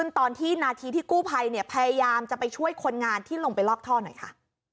ตอนที่นาทีที่กู้ภัยเนี่ยพยายามจะไปช่วยคนงานที่ลงไปลอกท่อหน่อยค่ะ